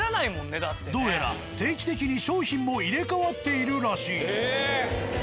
どうやら定期的に商品も入れ替わっているらしい。